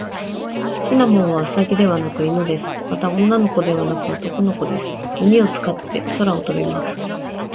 シナモンはウサギではなく犬です。また、女の子ではなく男の子です。耳を使って空を飛びます。